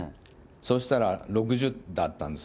そしたら６０だったんです。